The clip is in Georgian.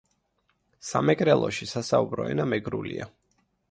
სამეგრელოში სასაუბრო ენა მეგრულია